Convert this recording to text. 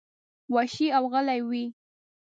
وحشي او غلي وې.